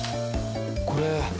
これ。